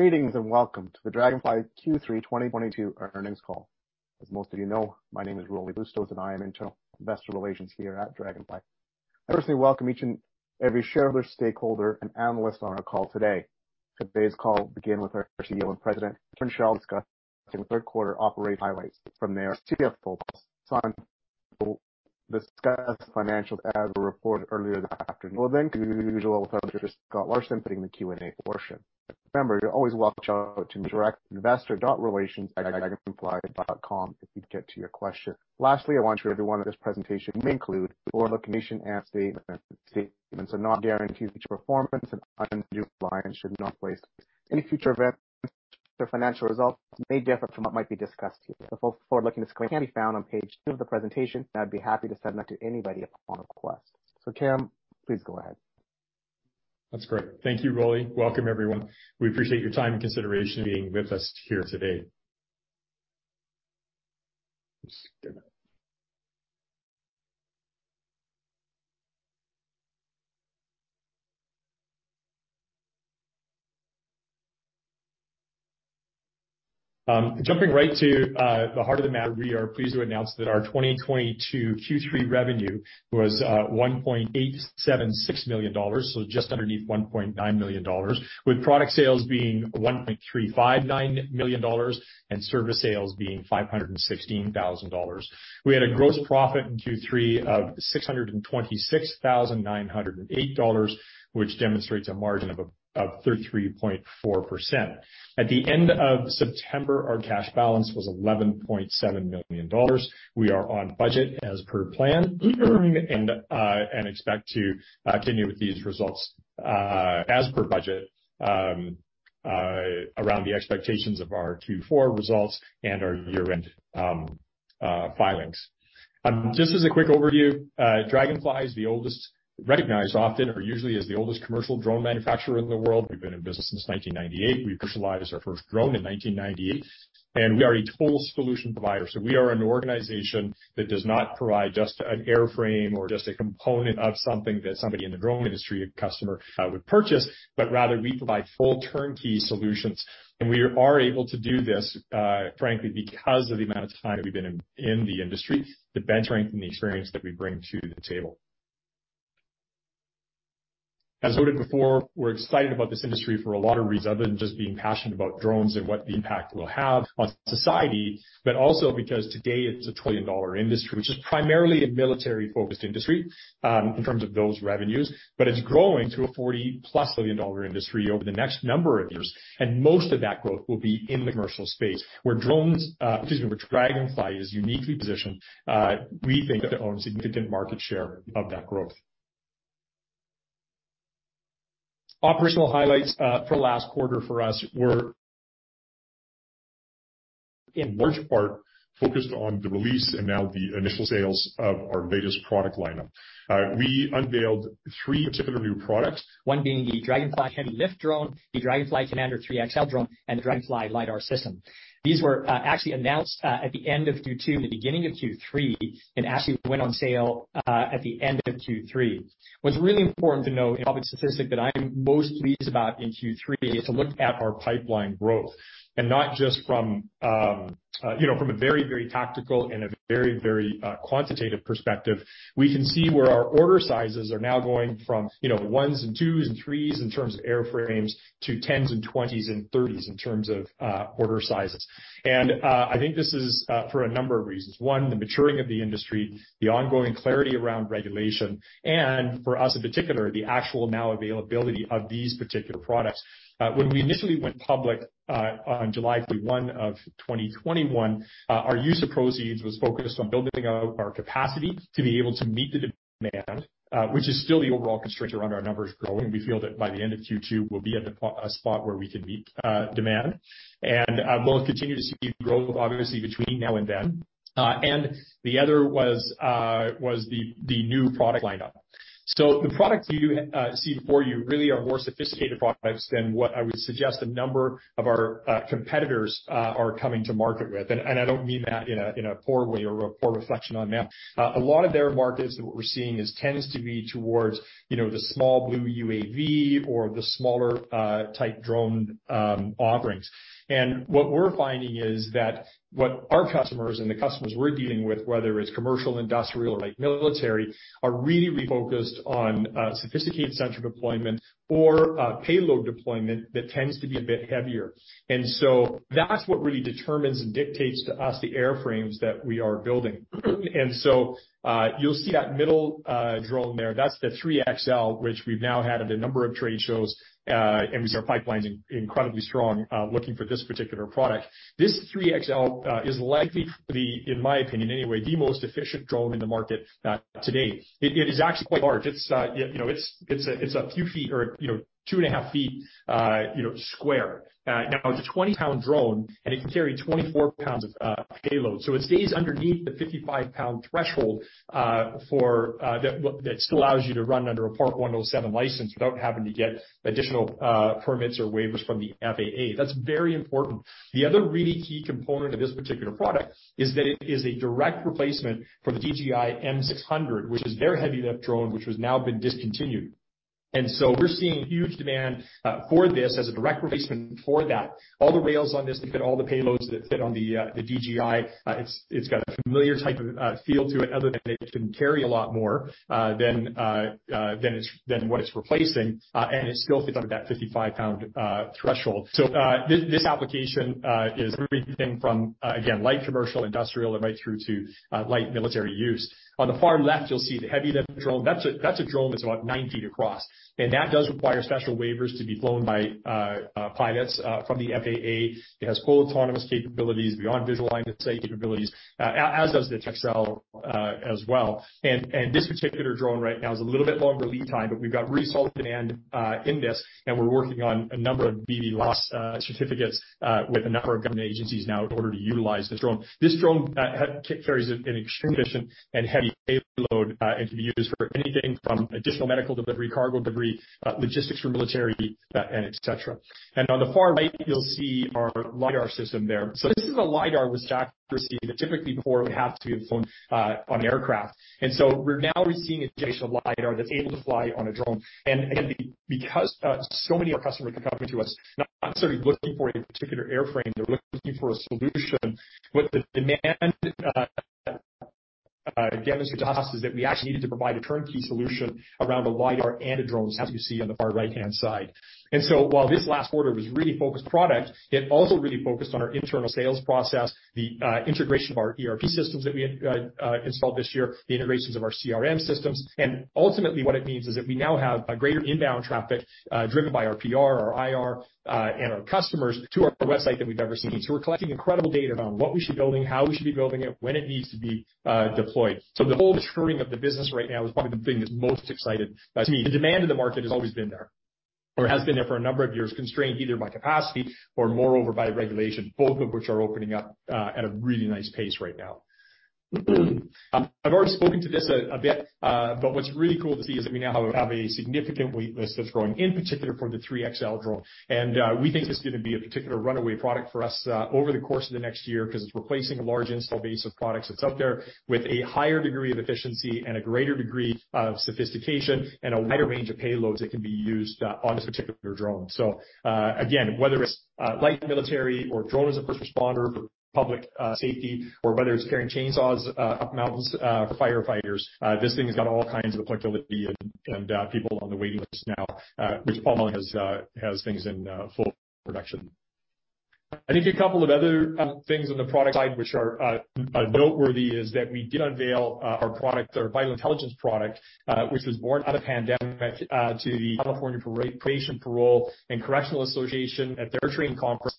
Greetings and welcome to the Draganfly Q3 2022 earnings call. As most of you know, my name is Rolly Bustos, and I am Investor Relations here at Draganfly. I wanna say welcome each and every shareholder, stakeholder, and analyst on our call today. Today's call will begin with our CEO and President, Cameron Chell, discussing third quarter operating highlights. From there, CFO, Paul Sun, will discuss financials as reported earlier this afternoon. We'll then go to the usual procedures with Scott Larson taking the Q&A portion. Remember, you're always welcome to reach out to investor.relations@draganfly.com if we can get to your question. Lastly, I want to remind everyone that this presentation may include forward-looking statements which do not guarantee future performance, and undue reliance should not be placed. Any future events or financial results may differ from what might be discussed here. The full forward-looking disclaimer can be found on page 2 of the presentation, and I'd be happy to send that to anybody upon request. Cam, please go ahead. That's great. Thank you, Rolly. Welcome, everyone. We appreciate your time and consideration being with us here today. Jumping right to the heart of the matter, we are pleased to announce that our 2022 Q3 revenue was $1.876 million, so just underneath $1.9 million, with product sales being $1.359 million and service sales being $516,000. We had a gross profit in Q3 of $626,908, which demonstrates a margin of 33.4%. At the end of September, our cash balance was $11.7 million. We are on budget as per plan and expect to continue with these results as per budget around the expectations of our Q4 results and our year-end filings. Just as a quick overview, Draganfly is the oldest, recognized often or usually as the oldest commercial drone manufacturer in the world. We've been in business since 1998. We commercialized our first drone in 1998, and we are a total solution provider. We are an organization that does not provide just an airframe or just a component of something that somebody in the drone industry customer would purchase, but rather we provide full turnkey solutions. We are able to do this, frankly, because of the amount of time that we've been in the industry, the bench strength and the experience that we bring to the table. As noted before, we're excited about this industry for a lot of reasons other than just being passionate about drones and what impact we'll have on society, but also because today it's a $1-trillion industry, which is primarily a military-focused industry, in terms of those revenues. It's growing to a $40+ million industry over the next number of years, and most of that growth will be in the commercial space, excuse me, where Draganfly is uniquely positioned, we think to own significant market share of that growth. Operational highlights for last quarter for us were in large part focused on the release and now the initial sales of our latest product lineup. We unveiled three particular new products, one being the Draganfly Heavy Lift Drone, the Draganfly Commander 3XL drone, and the Draganfly Long Range LiDAR system. These were actually announced at the end of Q2 and the beginning of Q3 and actually went on sale at the end of Q3. What's really important to know and probably the statistic that I'm most pleased about in Q3 is to look at our pipeline growth. Not just from, you know, from a very tactical and a very quantitative perspective. We can see where our order sizes are now going from, you know, ones and twos and threes in terms of airframes to 10s and 20s and 30s in terms of order sizes. I think this is for a number of reasons. One, the maturing of the industry, the ongoing clarity around regulation, and for us in particular, the actual now availability of these particular products. When we initially went public on July 21, 2021, our use of proceeds was focused on building out our capacity to be able to meet the demand, which is still the overall constraint around our numbers growing. We feel that by the end of Q2, we'll be at the spot where we can meet demand. We'll continue to see growth obviously between now and then. The other was the new product lineup. The products you see before you really are more sophisticated products than what I would suggest a number of our competitors are coming to market with. I don't mean that in a poor way or a poor reflection on them. A lot of their markets, what we're seeing is tends to be towards, you know, the small Blue UAS or the smaller type drone offerings. What we're finding is that what our customers and the customers we're dealing with, whether it's commercial, industrial or military, are really refocused on sophisticated central deployment or payload deployment that tends to be a bit heavier. That's what really determines and dictates to us the airframes that we are building. You'll see that middle drone there. That's the 3XL, which we've now had at a number of trade shows. We see our pipeline's incredibly strong looking for this particular product. This 3XL is likely to be, in my opinion anyway, the most efficient drone in the market today. It is actually quite large. You know, it's a few feet or 2.5 feet square. Now it's a 20-pound drone, and it can carry 24 pounds of payload, so it stays underneath the 55-pound threshold for that still allows you to run under a Part 107 license without having to get additional permits or waivers from the FAA. That's very important. The other really key component of this particular product is that it is a direct replacement for the DJI M600, which is their heavy lift drone, which has now been discontinued. We're seeing huge demand for this as a direct replacement for that. All the rails on this, they fit all the payloads that fit on the DJI. It's got a familiar type of feel to it other than it can carry a lot more than what it's replacing, and it still fits under that 55-pound threshold. This application is everything from, again, light commercial, industrial, and right through to light military use. On the far left, you'll see the Heavy Lift Drone. That's a drone that's about 9 feet across. That does require special waivers to be flown by pilots from the FAA. It has full autonomous capabilities Beyond Visual Line of Sight capabilities, as does the XL as well. This particular drone right now is a little bit longer lead time, but we've got really solid demand in this, and we're working on a number of BVLOS certificates with a number of government agencies now in order to utilize this drone. This drone carries an extreme mission and heavy payload, and can be used for anything from additional medical delivery, cargo delivery, logistics for military, and et cetera. On the far right, you'll see our LiDAR system there. This is a LiDAR with accuracy that typically before would have to be flown on an aircraft. We're now receiving a generation of LiDAR that's able to fly on a drone. Again, because so many of our customers are coming to us not necessarily looking for a particular airframe, they're looking for a solution. The demand demonstrated to us is that we actually needed to provide a turnkey solution around the LiDAR and the drones, as you see on the far right-hand side. While this last quarter was really focused product, it also really focused on our internal sales process, the integration of our ERP systems that we had installed this year, the integrations of our CRM systems. Ultimately, what it means is that we now have a greater inbound traffic driven by our PR, our IR, and our customers to our website than we've ever seen. We're collecting incredible data about what we should be building, how we should be building it, when it needs to be deployed. The whole maturing of the business right now is probably the thing that's most exciting to me. The demand in the market has always been there, or has been there for a number of years, constrained either by capacity or moreover by regulation, both of which are opening up at a really nice pace right now. I've already spoken to this a bit, but what's really cool to see is that we now have a significant wait list that's growing, in particular for the Commander 3XL. We think this is gonna be a particular runaway product for us over the course of the next year 'cause it's replacing a large installed base of products that's out there with a higher degree of efficiency and a greater degree of sophistication and a wider range of payloads that can be used on this particular drone. Again, whether it's light military or drone as a first responder for public safety or whether it's carrying chainsaws up mountains for firefighters, this thing has got all kinds of applicability and people on the waiting list now, which Paul Mullen has things in full production. I think a couple of other things on the product side which are noteworthy is that we did unveil our product, our Vital Intelligence product, which was born out of pandemic to the California Probation, Parole and Correctional Association at their training conference.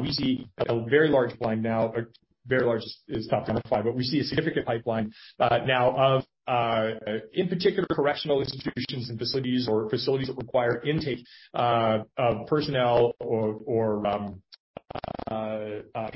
We see a very large pipeline now. A very large is tough to quantify, but we see a significant pipeline now of, in particular, correctional institutions and facilities that require intake of personnel or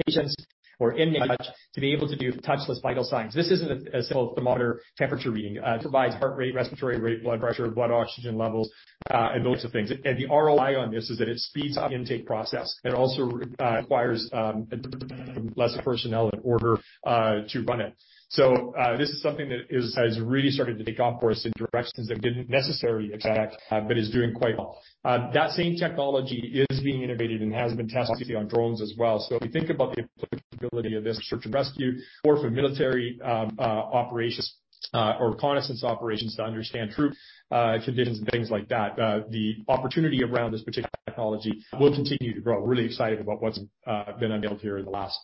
patients or inmates to be able to do touchless vital signs. This isn't a simple thermometer temperature reading. It provides heart rate, respiratory rate, blood pressure, blood oxygen levels and those types of things. The ROI on this is that it speeds up the intake process. It also requires a minimum less of personnel in order to run it. This is something that is has really started to take off for us in directions that we didn't necessarily expect, but is doing quite well. That same technology is being innovated and has been tested on drones as well. If you think about the applicability of this for search and rescue or for military operations or reconnaissance operations to understand troop conditions and things like that, the opportunity around this particular technology will continue to grow. Really excited about what's been unveiled here in the last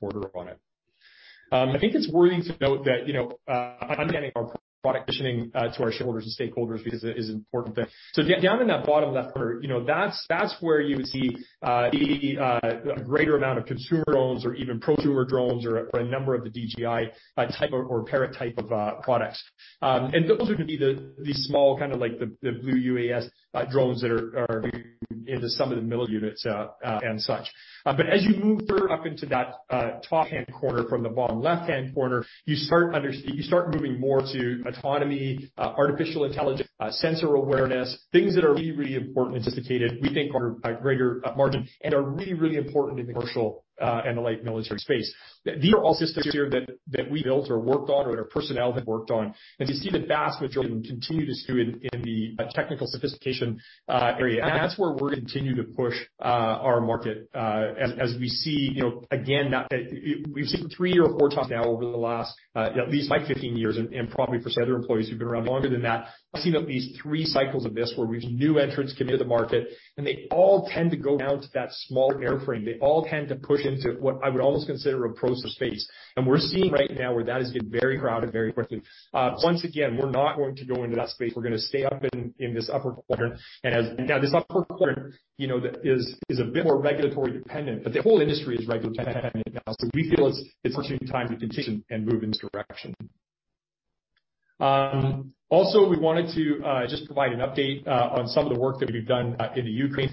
quarter on it. I think it's worthy to note that, you know, understanding our product positioning to our shareholders and stakeholders because it is an important thing. Drill down in that bottom left corner, you know, that's where you would see the greater amount of consumer drones or even prosumer drones or a number of the DJI type or Parrot type of products. Those are gonna be the small kinda like the Blue UAS drones that are into some of the middle units and such. As you move further up into that top hand corner from the bottom left-hand corner, you start moving more to autonomy, artificial intelligence, sensor awareness, things that are really, really important and sophisticated, we think are a greater margin and are really, really important in the commercial and the light military space. These are all systems here that we built or worked on or that our personnel have worked on. To see the vast majority of them continue to skew in the technical sophistication area, and that's where we're gonna continue to push our market as we see, you know, again, we've seen three or four times now over the last at least my 15 years and probably for some other employees who've been around longer than that. I've seen at least three cycles of this, where we have new entrants come into the market, and they all tend to go down to that smaller airframe. They all tend to push into what I would almost consider a prosumer space. We're seeing right now where that is getting very crowded very quickly. Once again, we're not going to go into that space. We're gonna stay up in this upper corner. This upper corner, you know, that is a bit more regulatory dependent, but the whole industry is regulatory dependent now. We feel it's certainly time to continue and move in this direction. Also, we wanted to just provide an update on some of the work that we've done in the Ukraine.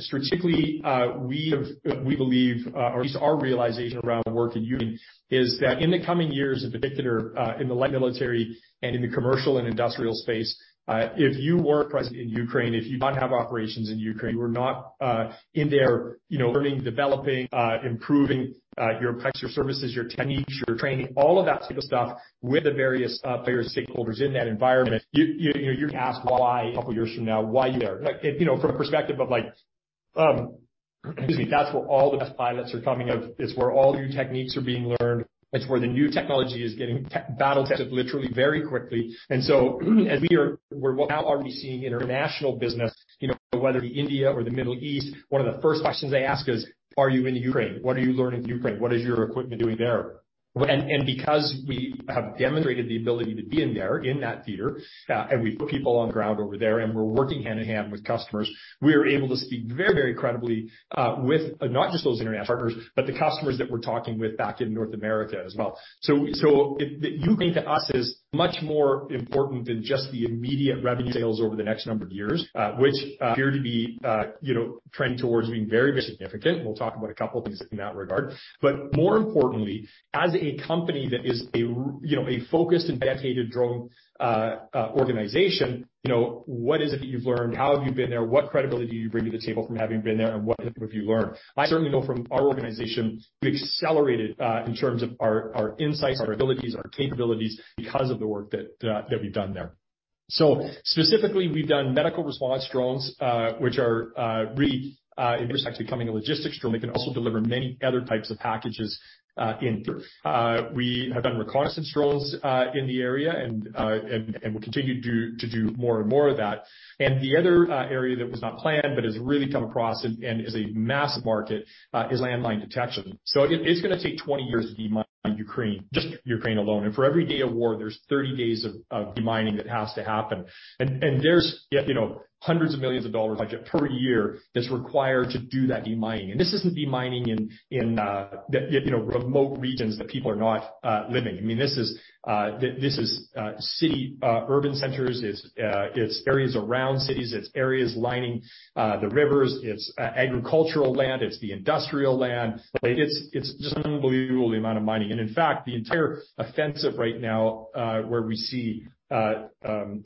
Strategically, we have, we believe, or at least our realization around work in Ukraine is that in the coming years, in particular, in the light military and in the commercial and industrial space, if you weren't present in Ukraine, if you did not have operations in Ukraine, you were not in there, you know, learning, developing, improving your price, your services, your techniques, your training, all of that type of stuff with the various players, stakeholders in that environment, you are gonna ask why a couple of years from now, why you there. Like, you know, from a perspective of like, that's where all the best pilots are coming out of, it's where all new techniques are being learned. It's where the new technology is getting battle tested literally very quickly. We're now already seeing international business, you know, whether India or the Middle East, one of the first questions they ask is, "Are you in Ukraine? What are you learning from Ukraine? What is your equipment doing there?" Because we have demonstrated the ability to be in there in that theater, and we put people on the ground over there, and we're working hand-in-hand with customers, we are able to speak very, very credibly with not just those international partners, but the customers that we're talking with back in North America as well. The Ukraine to us is much more important than just the immediate revenue sales over the next number of years, which appear to be, you know, trending towards being very significant. We'll talk about a couple of things in that regard. More importantly, as a company that is you know, a focused and dedicated drone organization, you know, what is it that you've learned? How have you been there? What credibility do you bring to the table from having been there, and what have you learned? I certainly know from our organization, we've accelerated in terms of our insights, our abilities, our capabilities because of the work that we've done there. Specifically, we've done medical response drones, which are really in this case becoming a logistics drone. They can also deliver many other types of packages in. We have done reconnaissance drones in the area and we'll continue to do more and more of that. The other area that was not planned but has really come across and is a massive market is landmine detection. It's gonna take 20 years to demine Ukraine, just Ukraine alone. For every day of war, there's 30 days of demining that has to happen. There's, you know, $ hundreds of millions budget per year that's required to do that demining. This isn't demining in, you know, remote regions that people are not living. I mean, this is city urban centers. It's areas around cities. It's areas lining the rivers. It's agricultural land. It's the industrial land. Like, it's just unbelievable the amount of mining. In fact, the entire offensive right now, where we see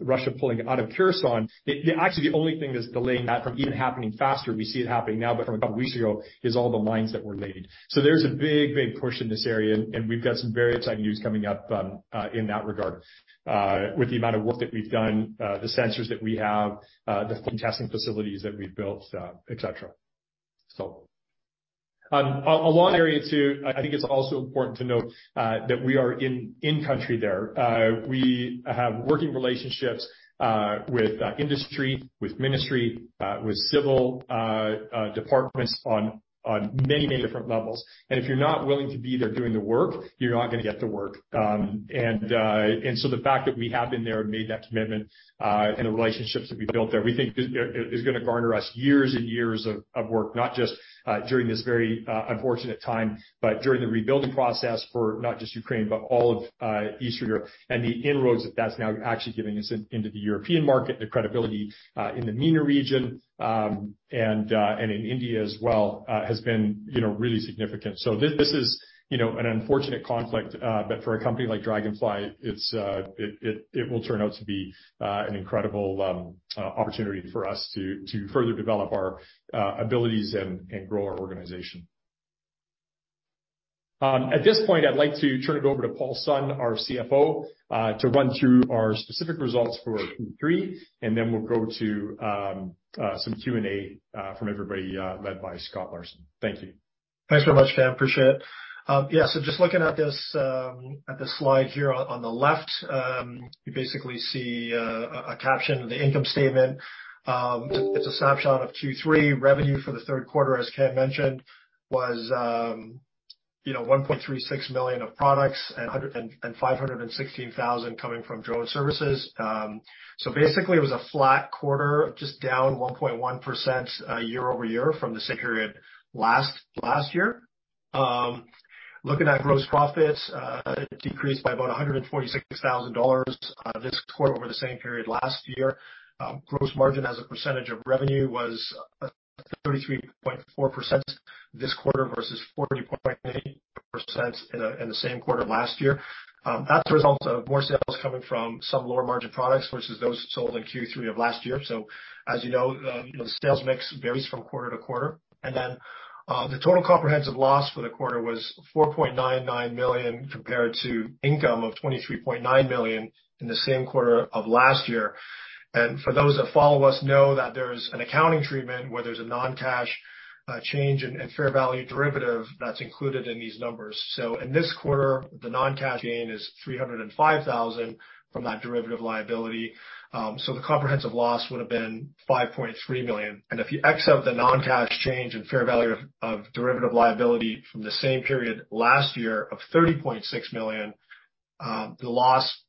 Russia pulling out of Kherson, actually the only thing that's delaying that from even happening faster, we see it happening now but from a couple of weeks ago, is all the mines that were laid. There's a big push in this area, and we've got some very exciting news coming up in that regard, with the amount of work that we've done, the sensors that we have, the testing facilities that we've built, et cetera. In the area too, I think it's also important to note that we are in country there. We have working relationships with industry, with ministry, with civil departments on many different levels. If you're not willing to be there doing the work, you're not gonna get the work. The fact that we have been there and made that commitment, and the relationships that we've built there, we think is gonna garner us years and years of work, not just during this very unfortunate time, but during the rebuilding process for not just Ukraine, but all of Eastern Europe. The inroads that that's now actually giving us into the European market, the credibility in the MENA region, and in India as well, has been, you know, really significant. This is, you know, an unfortunate conflict, but for a company like Draganfly, it will turn out to be an incredible opportunity for us to further develop our abilities and grow our organization. At this point, I'd like to turn it over to Paul Sun, our CFO, to run through our specific results for Q3, and then we'll go to some Q&A from everybody, led by Scott Larson. Thank you. Thanks very much, Cam. Appreciate it. Yeah, so just looking at this, at this slide here on the left, you basically see a caption of the income statement. It's a snapshot of Q3. Revenue for the third quarter, as Cam mentioned, was $1.36 million of products and $516 thousand coming from drone services. Basically, it was a flat quarter, just down 1.1%, year-over-year from the same period last year. Looking at gross profits, it decreased by about $146 thousand this quarter over the same period last year. Gross margin as a percentage of revenue was 33.4% this quarter versus 40.8% in the same quarter last year. That's a result of more sales coming from some lower margin products versus those sold in Q3 of last year. As you know, you know, the sales mix varies from quarter to quarter. The total comprehensive loss for the quarter was $4.99 million compared to income of $23.9 million in the same quarter of last year. For those that follow us know that there's an accounting treatment where there's a non-cash change in fair value derivative that's included in these numbers. In this quarter, the non-cash gain is $305 thousand from that derivative liability. The comprehensive loss would've been $5.3 million. If you x out the non-cash change in fair value of derivative liability from the same period last year of $30.6 million, the loss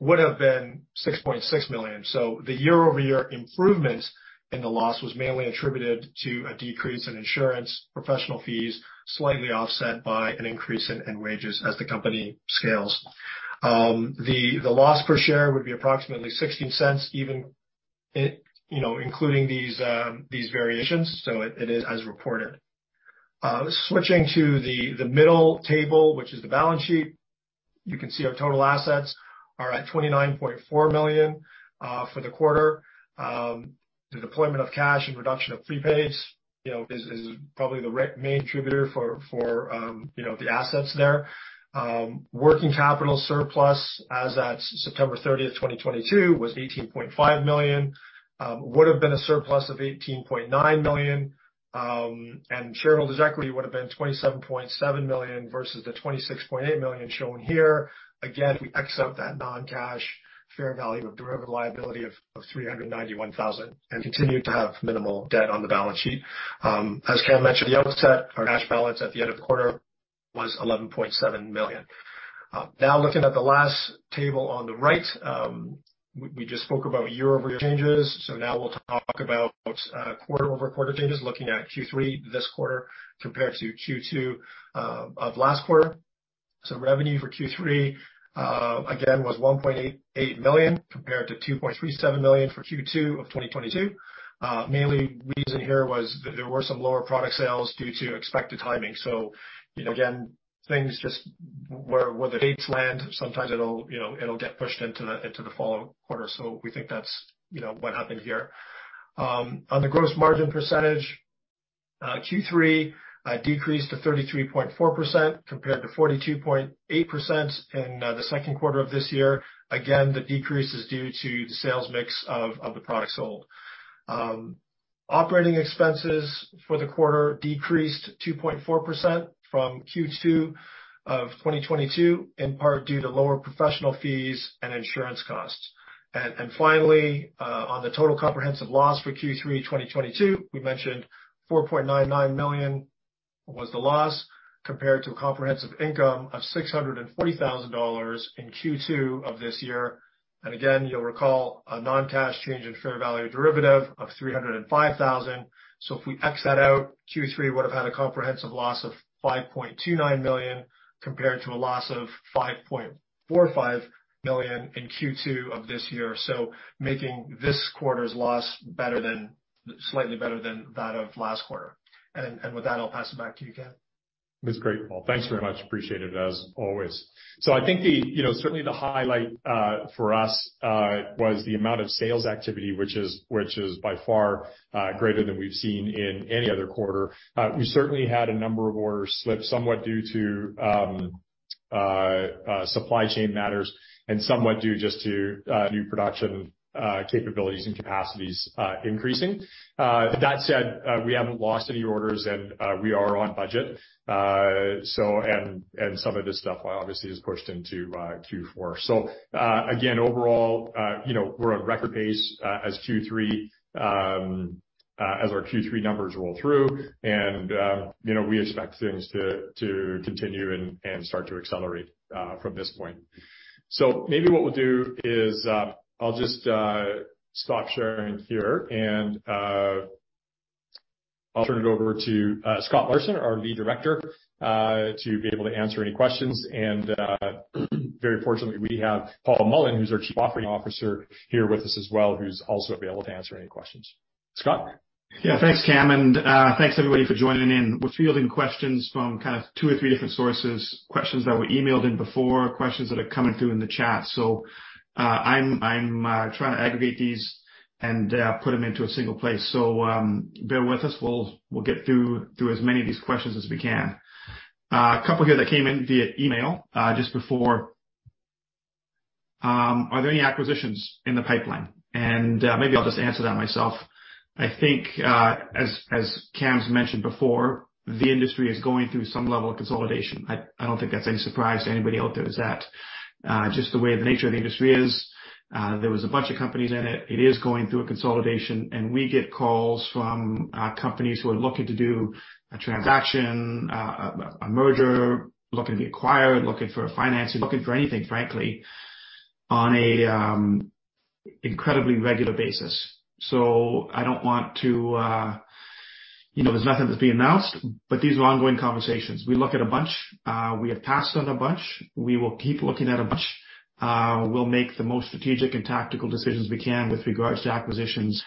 would have been $6.6 million. The year-over-year improvement in the loss was mainly attributed to a decrease in insurance, professional fees, slightly offset by an increase in wages as the company scales. The loss per share would be approximately $0.16 even, you know, including these variations. It is as reported. Switching to the middle table, which is the balance sheet. You can see our total assets are at $29.4 million for the quarter. The deployment of cash and reduction of prepays, you know, is probably the main contributor for the assets there. Working capital surplus as at September 30, 2022 was $18.5 million. Would have been a surplus of $18.9 million, and shareholders' equity would have been $27.7 million versus the $26.8 million shown here. Again, we X out that non-cash fair value of derivative liability of $391,000 and continued to have minimal debt on the balance sheet. As Cam mentioned, though our cash balance at the end of the quarter was $11.7 million. Now looking at the last table on the right, we just spoke about year-over-year changes. Now we'll talk about quarter-over-quarter changes looking at Q3 this quarter compared to Q2 of last quarter. Revenue for Q3, again, was $1.88 million compared to $2.37 million for Q2 of 2022. Main reason here was there were some lower product sales due to expected timing. You know, again, things just where the dates land, sometimes it'll, you know, get pushed into the following quarter. We think that's, you know, what happened here. On the gross margin percentage, Q3 decreased to 33.4% compared to 42.8% in the second quarter of this year. Again, the decrease is due to the sales mix of the products sold. Operating expenses for the quarter decreased 2.4% from Q2 of 2022, in part due to lower professional fees and insurance costs. Finally, on the total comprehensive loss for Q3 2022, we mentioned $4.99 million was the loss compared to a comprehensive income of $640,000 in Q2 of this year. Again, you'll recall a non-cash change in fair value derivative of $305,000. If we x that out, Q3 would've had a comprehensive loss of $5.29 million compared to a loss of $5.45 million in Q2 of this year, making this quarter's loss slightly better than that of last quarter. With that, I'll pass it back to you, Cam. That's great, Paul. Thanks very much. Appreciate it as always. I think the you know certainly the highlight for us was the amount of sales activity, which is by far greater than we've seen in any other quarter. We certainly had a number of orders slip somewhat due to supply chain matters and somewhat due just to new production capabilities and capacities increasing. That said, we haven't lost any orders and we are on budget. Some of this stuff obviously is pushed into Q4. Again, overall, you know, we're on record pace as our Q3 numbers roll through. You know, we expect things to continue and start to accelerate from this point. Maybe what we'll do is, I'll just stop sharing here and I'll turn it over to Scott Larson, our lead director, to be able to answer any questions. Very fortunately, we have Paul Mullen, who's our Chief Operating Officer here with us as well, who's also available to answer any questions. Scott? Yeah. Thanks, Cam, and thanks everybody for joining in. We're fielding questions from kind of two or three different sources, questions that were emailed in before, questions that are coming through in the chat. So, I'm trying to aggregate these and put them into a single place. So, bear with us. We'll get through as many of these questions as we can. A couple here that came in via email just before. Are there any acquisitions in the pipeline? Maybe I'll just answer that myself. I think, as Cam's mentioned before, the industry is going through some level of consolidation. I don't think that's any surprise to anybody out there. That's just the way the nature of the industry is. There was a bunch of companies in it. It is going through a consolidation, and we get calls from companies who are looking to do a transaction, a merger, looking to be acquired, looking for a financing, looking for anything, frankly, on an incredibly regular basis. I don't want to, you know, there's nothing that's being announced, but these are ongoing conversations. We look at a bunch. We have passed on a bunch. We will keep looking at a bunch. We'll make the most strategic and tactical decisions we can with regards to acquisitions,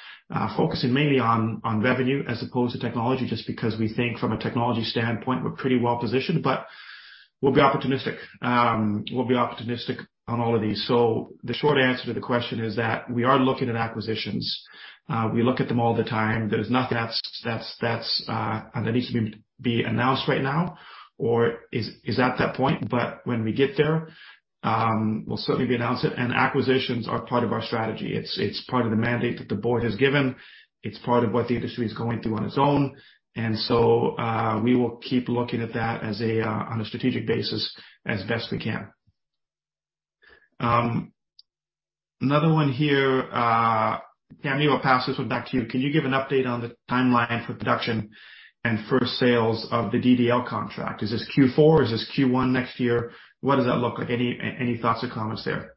focusing mainly on revenue as opposed to technology, just because we think from a technology standpoint, we're pretty well positioned. We'll be opportunistic. We'll be opportunistic on all of these. The short answer to the question is that we are looking at acquisitions. We look at them all the time. There's nothing that needs to be announced right now or is at that point. When we get there, we'll certainly be announcing. Acquisitions are part of our strategy. It's part of the mandate that the board has given. It's part of what the industry is going through on its own. We will keep looking at that on a strategic basis as best we can. Another one here, Cam, maybe I'll pass this one back to you. Can you give an update on the timeline for production and first sales of the DDL contract? Is this Q4? Is this Q1 next year? What does that look like? Any thoughts or comments there?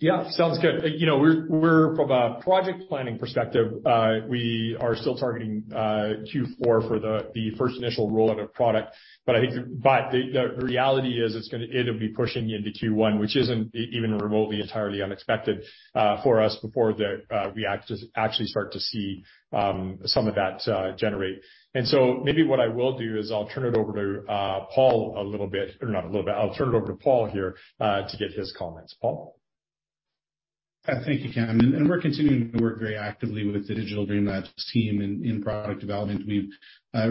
Yeah, sounds good. You know, we're from a project planning perspective, we are still targeting Q4 for the first initial rollout of product. The reality is it'll be pushing into Q1, which isn't even remotely entirely unexpected for us before we actually start to see some of that generate. Maybe what I will do is I'll turn it over to Paul a little bit, or not a little bit. I'll turn it over to Paul here to get his comments. Paul? Thank you, Cam. We're continuing to work very actively with the Digital Dream Labs team in product development. We've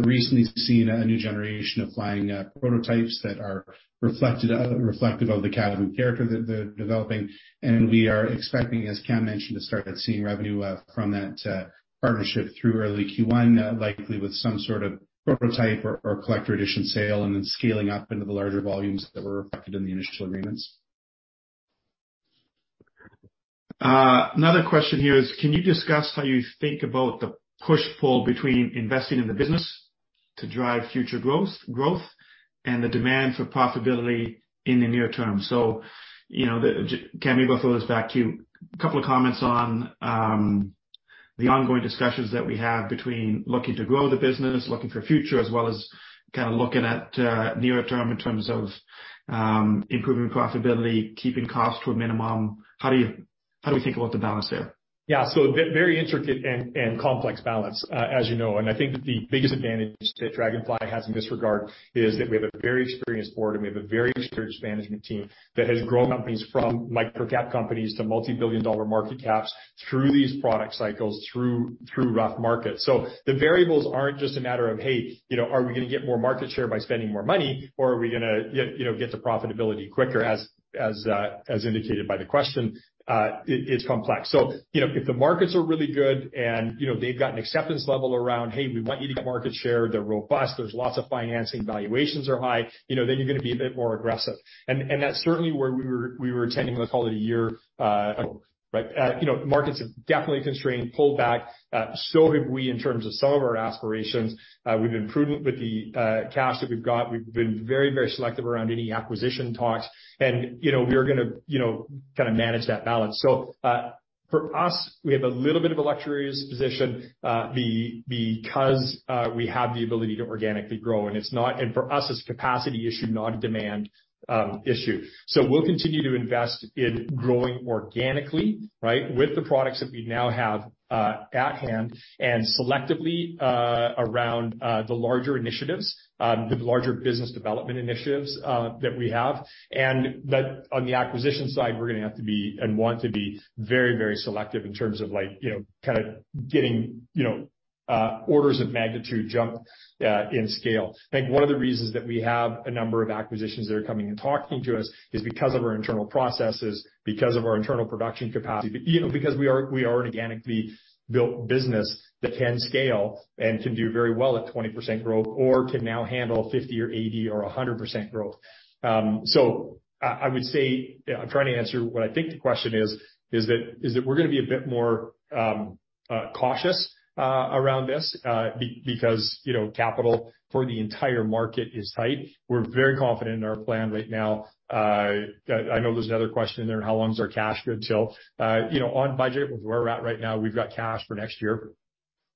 recently seen a new generation of flying prototypes that are reflective of the Cozmo character that they're developing. We are expecting, as Cam mentioned, to start seeing revenue from that partnership through early Q1, likely with some sort of prototype or collector edition sale, and then scaling up into the larger volumes that were reflected in the initial agreements. Another question here is can you discuss how you think about the push-pull between investing in the business to drive future growth and the demand for profitability in the near term? You know, Cam, maybe I'll throw this back to you. A couple of comments on the ongoing discussions that we have between looking to grow the business, looking forward, as well as kind of looking at near-term in terms of improving profitability, keeping costs to a minimum. How do we think about the balance there? Yeah. Very intricate and complex balance, as you know, and I think the biggest advantage that Draganfly has in this regard is that we have a very experienced board, and we have a very experienced management team that has grown companies from microcap companies to multi-billion-dollar market caps through these product cycles, through rough markets. The variables aren't just a matter of, hey, you know, are we gonna get more market share by spending more money or are we gonna you know, get to profitability quicker, as indicated by the question. It is complex. You know, if the markets are really good and, you know, they've got an acceptance level around, hey, we want you to get market share, they're robust, there's lots of financing, valuations are high, you know, then you're gonna be a bit more aggressive. That's certainly where we were. We were tending, let's call it a year, right. You know, markets have definitely constrained, pulled back. Have we in terms of some of our aspirations. We've been prudent with the cash that we've got. We've been very, very selective around any acquisition talks. You know, we are gonna kinda manage that balance. For us, we have a little bit of a luxurious position because we have the ability to organically grow. It's not. For us, it's a capacity issue, not a demand issue. We'll continue to invest in growing organically, right, with the products that we now have at hand and selectively around the larger initiatives, the larger business development initiatives that we have. That on the acquisition side, we're gonna have to be and want to be very, very selective in terms of like, you know, kind of getting, you know, orders of magnitude jump in scale. I think one of the reasons that we have a number of acquisitions that are coming and talking to us is because of our internal processes, because of our internal production capacity, you know, because we are an organically built business that can scale and can do very well at 20% growth or can now handle 50 or 80 or 100% growth. I would say I'm trying to answer what I think the question is that we're gonna be a bit more cautious around this because, you know, capital for the entire market is tight. We're very confident in our plan right now. I know there's another question in there, how long is our cash good till. You know, on budget with where we're at right now, we've got cash for next year.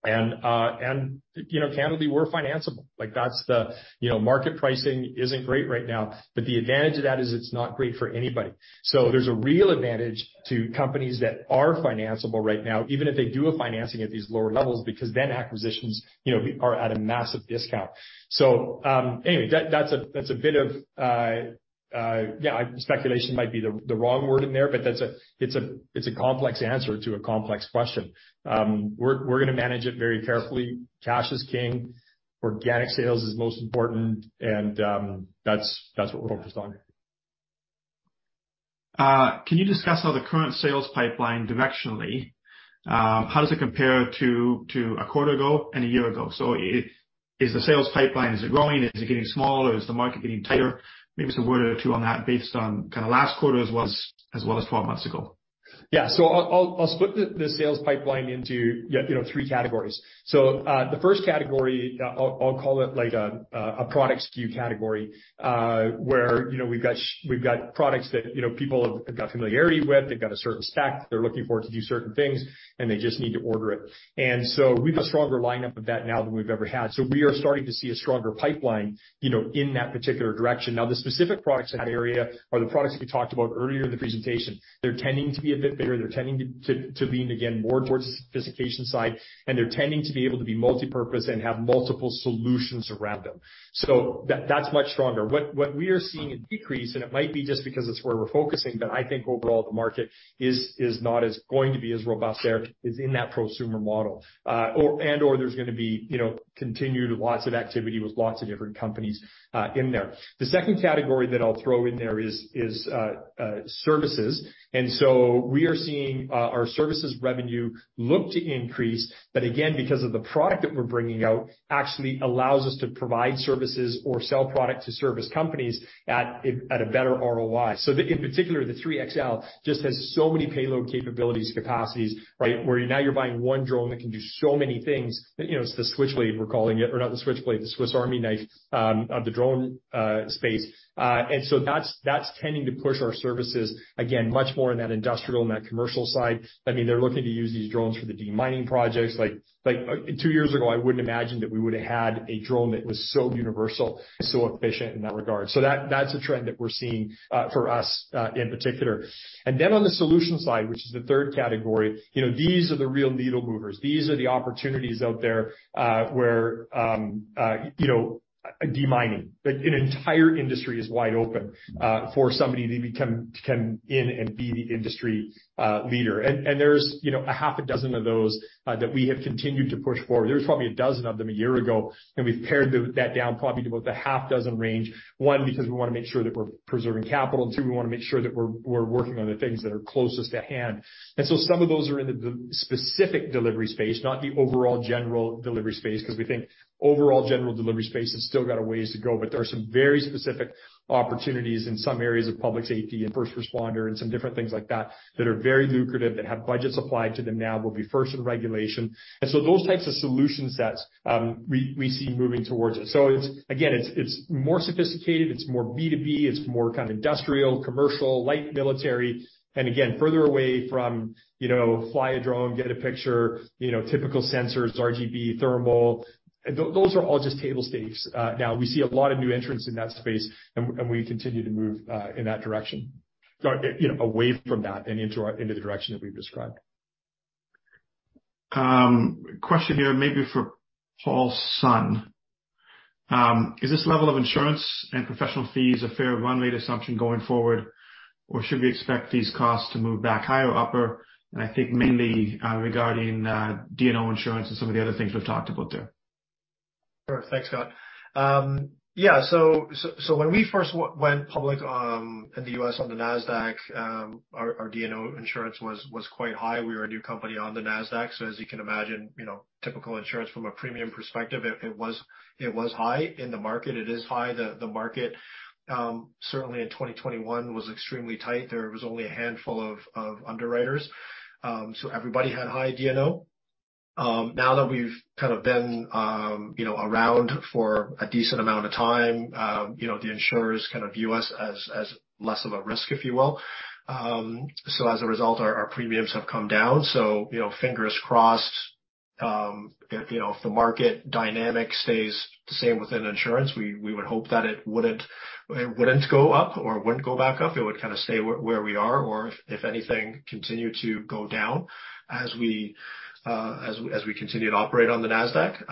And you know, candidly, we're financeable. Like, that's the. You know, market pricing isn't great right now, but the advantage of that is it's not great for anybody. So there's a real advantage to companies that are financeable right now, even if they do a financing at these lower levels, because then acquisitions, you know, are at a massive discount. So anyway, that's a bit of yeah, speculation might be the wrong word in there, but that's a. It's a complex answer to a complex question. We're gonna manage it very carefully. Cash is king. Organic sales is most important, and that's what we're focused on. Can you discuss how the current sales pipeline directionally, how does it compare to a quarter ago and a year ago? Is the sales pipeline growing? Is it getting smaller? Is the market getting tighter? Maybe some word or two on that based on kinda last quarter as well as 12 months ago. Yeah. I'll split the sales pipeline into, you know, three categories. The first category, I'll call it like a product SKU category, where, you know, we've got products that, you know, people have got familiarity with. They've got a certain stack. They're looking for it to do certain things, and they just need to order it. We've a stronger lineup of that now than we've ever had. We are starting to see a stronger pipeline, you know, in that particular direction. Now, the specific products in that area are the products that we talked about earlier in the presentation. They're tending to be a bit bigger. They're tending to lean, again, more towards the sophistication side, and they're tending to be able to be multipurpose and have multiple solutions around them. That's much stronger. What we are seeing is a decrease, and it might be just because it's where we're focusing, but I think overall the market is not going to be as robust as it is in that prosumer model. Or and/or there's gonna be, you know, continued lots of activity with lots of different companies in there. The second category that I'll throw in there is services. We are seeing our services revenue look to increase, but again, because of the product that we're bringing out actually allows us to provide services or sell product to service companies at a better ROI. In particular, the 3XL just has so many payload capabilities, capacities, right? Where now you're buying one drone that can do so many things. You know, it's the Switchblade we're calling it, or not the Switchblade, the Swiss Army Knife of the drone space. That's tending to push our services, again, much more in that industrial and that commercial side. I mean, they're looking to use these drones for the de-mining projects. Like, two years ago, I wouldn't imagine that we would've had a drone that was so universal and so efficient in that regard. That's a trend that we're seeing for us in particular. Then on the solution side, which is the third category, you know, these are the real needle movers. These are the opportunities out there, where a de-mining, like an entire industry is wide open, for somebody to come in and be the industry leader. There's you know, half a dozen of those that we have continued to push forward. There was probably 12 of them a year ago, and we've paired that down probably to about the half dozen range, one, because we wanna make sure that we're preserving capital, and two, we wanna make sure that we're working on the things that are closest at hand. Some of those are in the specific delivery space, not the overall general delivery space, because we think overall general delivery space has still got a ways to go, but there are some very specific opportunities in some areas of public safety and first responder and some different things like that that are very lucrative, that have budgets applied to them now, will be first in regulation. Those types of solution sets, we see moving towards it. It's more sophisticated, it's more B2B, it's more kind of industrial, commercial, light military, and further away from, you know, fly a drone, get a picture, you know, typical sensors, RGB, thermal. Those are all just table stakes. Now we see a lot of new entrants in that space and we continue to move in that direction. You know, away from that and into the direction that we've described. Question here maybe for Paul Sun. Is this level of insurance and professional fees a fair run rate assumption going forward, or should we expect these costs to move back higher? I think mainly regarding D&O insurance and some of the other things we've talked about there. Sure. Thanks, Scott. When we first went public in the US on the Nasdaq, our D&O insurance was quite high. We were a new company on the Nasdaq. As you can imagine, you know, typical insurance from a premium perspective, it was high. In the market, it is high. The market certainly in 2021 was extremely tight. There was only a handful of underwriters. Everybody had high D&O. Now that we've kind of been, you know, around for a decent amount of time, you know, the insurers kind of view us as less of a risk, if you will. As a result, our premiums have come down. You know, fingers crossed, if you know, if the market dynamic stays the same within insurance, we would hope that it wouldn't go up or wouldn't go back up. It would kind of stay where we are or if anything, continue to go down as we continue to operate on the Nasdaq.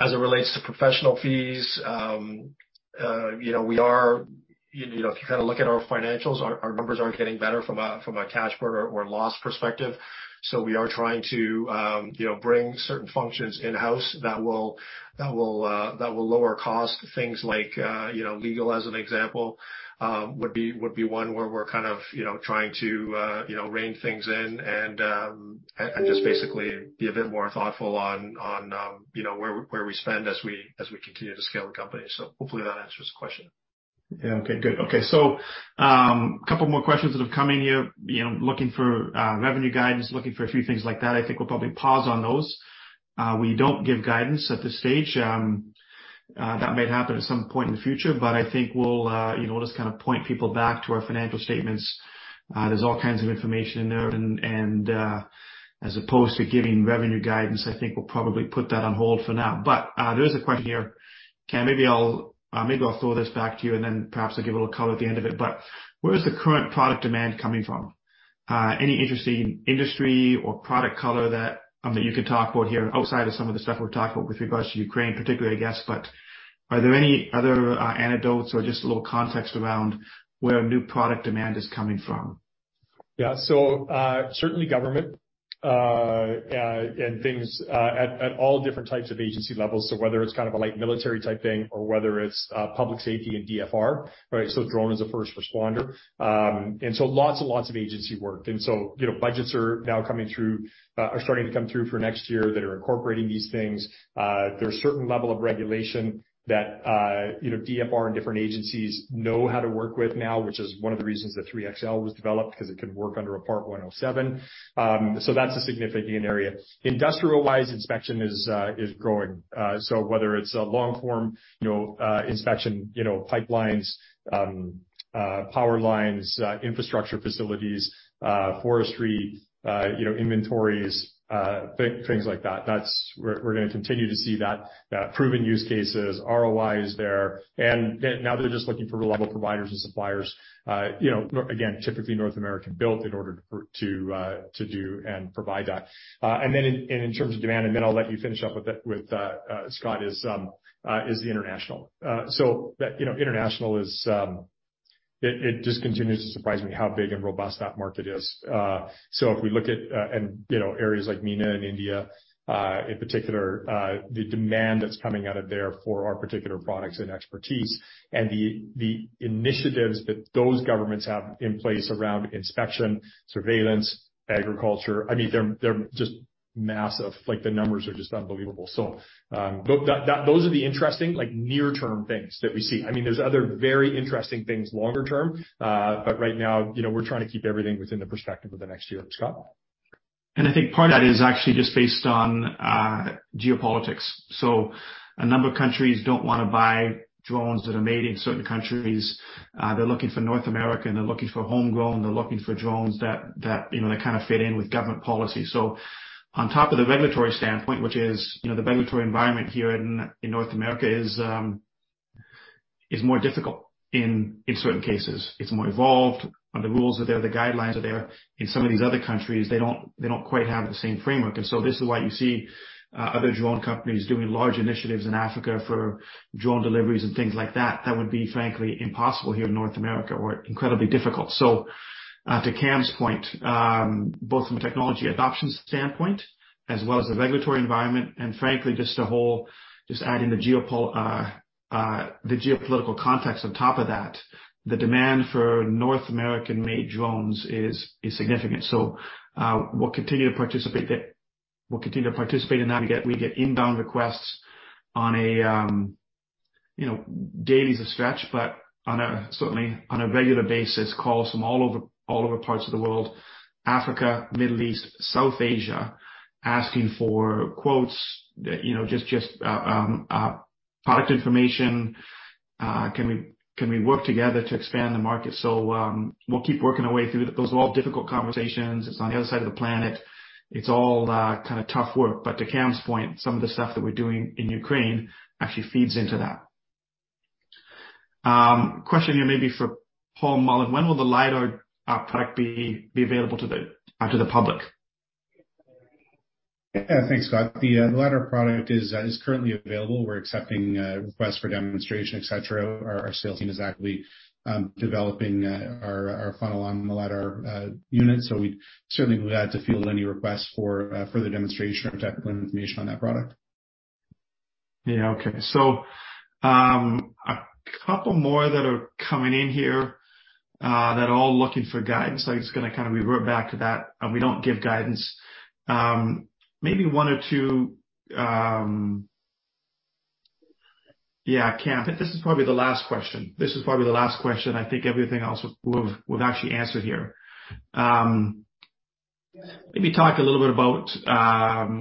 As it relates to professional fees, you know, we are. You know, if you kind of look at our financials, our numbers are getting better from a cash burn or loss perspective. We are trying to, you know, bring certain functions in-house that will lower costs. Things like, you know, legal, as an example, would be one where we're kind of, you know, trying to, you know, rein things in and just basically be a bit more thoughtful on, you know, where we spend as we continue to scale the company. Hopefully that answers the question. Yeah. Okay, good. Okay, so couple more questions that have come in here, you know, looking for revenue guidance, looking for a few things like that. I think we'll probably pause on those. We don't give guidance at this stage. That might happen at some point in the future, but I think we'll, you know, just kind of point people back to our financial statements. There's all kinds of information in there and as opposed to giving revenue guidance, I think we'll probably put that on hold for now. There is a question here. Cam, maybe I'll throw this back to you, and then perhaps I'll give a little color at the end of it. Where is the current product demand coming from? Any interesting industry or product color that you can talk about here outside of some of the stuff we've talked about with regards to Ukraine particularly, I guess, but are there any other anecdotes or just a little context around where new product demand is coming from? Yeah. Certainly government and things at all different types of agency levels. Whether it's kind of a light military type thing or whether it's public safety and DFR, right? Drone as a first responder. Lots and lots of agency work. You know, budgets are now coming through, are starting to come through for next year that are incorporating these things. There's certain level of regulation that, you know, DFR and different agencies know how to work with now, which is one of the reasons that 3 XL was developed, 'cause it could work under a Part 107. That's a significant area. Industrial-wise, inspection is growing. whether it's a long-form, you know, inspection, you know, pipelines, power lines, infrastructure facilities, forestry, you know, inventories, things like that. That's where we're gonna continue to see that proven use cases. ROI is there. They're now just looking for reliable providers and suppliers, you know, typically North American built in order to do and provide that. In terms of demand, then I'll let you finish up with it, with Scott is the international. That, you know, international is, it just continues to surprise me how big and robust that market is. If we look at, you know, areas like MENA and India, in particular, the demand that's coming out of there for our particular products and expertise and the initiatives that those governments have in place around inspection, surveillance, agriculture, I mean, they're just massive. Like, the numbers are just unbelievable. Those are the interesting, like, near term things that we see. I mean, there's other very interesting things longer term, but right now, you know, we're trying to keep everything within the perspective of the next year. Scott? I think part of that is actually just based on geopolitics. A number of countries don't wanna buy drones that are made in certain countries. They're looking for North America, and they're looking for homegrown, they're looking for drones that you know that kind of fit in with government policy. On top of the regulatory standpoint, which is you know the regulatory environment here in North America is It's more difficult in certain cases. It's more evolved and the rules are there, the guidelines are there. In some of these other countries, they don't quite have the same framework. This is why you see other drone companies doing large initiatives in Africa for drone deliveries and things like that. That would be frankly impossible here in North America or incredibly difficult. To Cam's point, both from a technology adoption standpoint as well as the regulatory environment, and frankly, just adding the geopolitical context on top of that, the demand for North American-made drones is significant. We'll continue to participate there. We'll continue to participate in that. We get inbound requests on a, you know, daily is a stretch, but certainly on a regular basis, calls from all over parts of the world, Africa, Middle East, South Asia, asking for quotes that, you know, just product information, can we work together to expand the market. We'll keep working our way through. Those are all difficult conversations. It's on the other side of the planet. It's all kinda tough work. To Cam's point, some of the stuff that we're doing in Ukraine actually feeds into that. Question here maybe for Paul Mullen. When will the LiDAR product be available to the public? Yeah. Thanks, Scott. The LiDAR product is currently available. We're accepting requests for demonstration, et cetera. Our sales team is actively developing our funnel on the LiDAR unit. We'd certainly be glad to field any requests for further demonstration or technical information on that product. Yeah. Okay. A couple more that are coming in here, that are all looking for guidance. I'm just gonna kinda revert back to that, and we don't give guidance. Maybe one or two. Yeah, Cam, this is probably the last question. I think everything else we've actually answered here. Maybe talk a little bit about,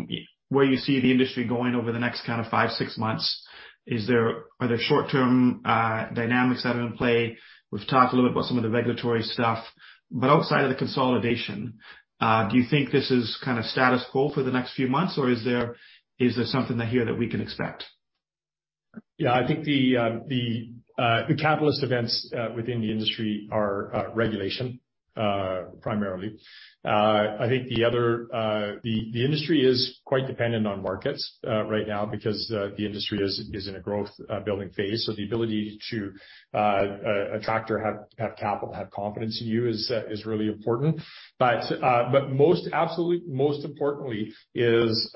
where you see the industry going over the next kind of five, six months. Are there short-term dynamics that are in play? We've talked a little bit about some of the regulatory stuff. Outside of the consolidation, do you think this is kinda status quo for the next few months, or is there something here that we can expect? Yeah. I think the catalyst events within the industry are regulation primarily. I think the industry is quite dependent on markets right now because the industry is in a growth building phase. The ability to attract or have capital, have confidence in you is really important. Most absolutely, most importantly is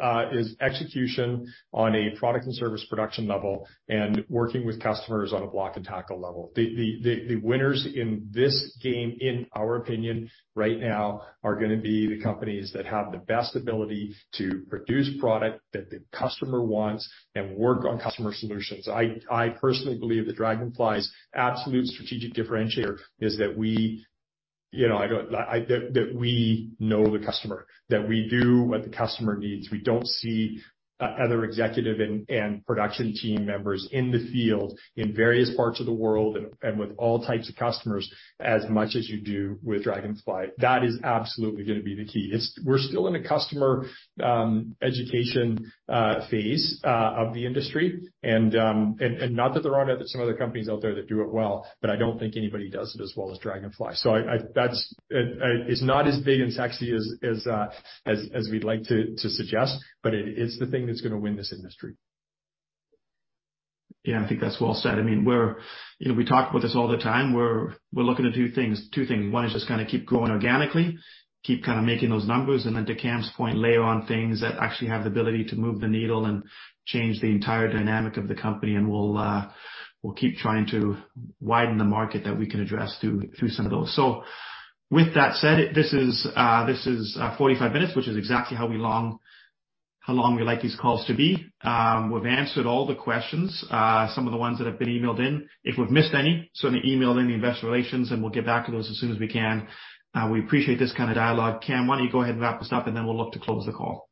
execution on a product and service production level and working with customers on a block and tackle level. The winners in this game, in our opinion, right now are gonna be the companies that have the best ability to produce product that the customer wants and work on customer solutions. I personally believe that Draganfly's absolute strategic differentiator is that we, you know, that we know the customer, that we do what the customer needs. We don't see other executive and production team members in the field in various parts of the world and with all types of customers as much as you do with Draganfly. That is absolutely gonna be the key. We're still in a customer education phase of the industry. Not that there aren't some other companies out there that do it well, but I don't think anybody does it as well as Draganfly. That is not as big and sexy as we'd like to suggest, but it's the thing that's gonna win this industry. Yeah. I think that's well said. I mean, we're. You know, we talk about this all the time. We're looking at two things. One is just kinda keep growing organically, keep kinda making those numbers. To Cam's point, layer on things that actually have the ability to move the needle and change the entire dynamic of the company, and we'll keep trying to widen the market that we can address through some of those. With that said, this is 45 minutes, which is exactly how long we like these calls to be. We've answered all the questions, some of the ones that have been emailed in. If we've missed any, certainly email Investor Relations, and we'll get back to those as soon as we can. We appreciate this kind of dialogue. Cam, why don't you go ahead and wrap us up, and then we'll look to close the call.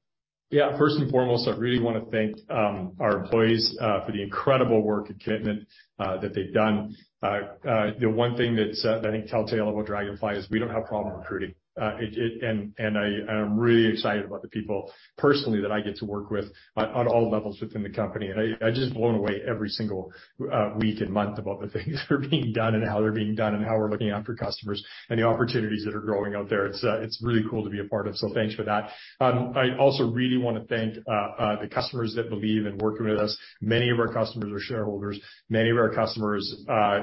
Yeah. First and foremost, I really wanna thank our employees for the incredible work and commitment that they've done. The one thing that's, I think, telltale about Draganfly is we don't have problem recruiting. I'm really excited about the people personally that I get to work with on all levels within the company. I'm just blown away every single week and month about the things that are being done and how they're being done and how we're looking after customers and the opportunities that are growing out there. It's really cool to be a part of. Thanks for that. I also really wanna thank the customers that believe in working with us. Many of our customers are shareholders. Many of our customers,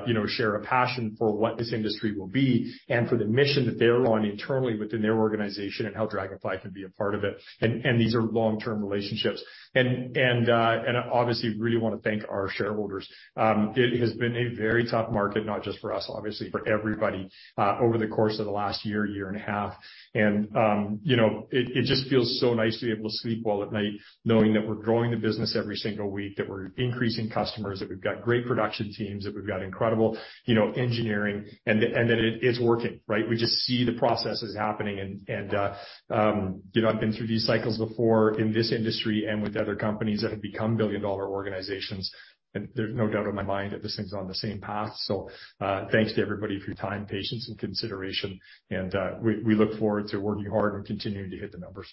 you know, share a passion for what this industry will be and for the mission that they're on internally within their organization and how Draganfly can be a part of it. These are long-term relationships. Obviously really wanna thank our shareholders. It has been a very tough market, not just for us, obviously for everybody, over the course of the last year and a half. You know, it just feels so nice to be able to sleep well at night knowing that we're growing the business every single week, that we're increasing customers, that we've got great production teams, that we've got incredible, you know, engineering, and that it is working, right? We just see the processes happening. You know, I've been through these cycles before in this industry and with other companies that have become billion-dollar organizations, and there's no doubt in my mind that this thing's on the same path. Thanks to everybody for your time, patience, and consideration. We look forward to working hard and continuing to hit the numbers.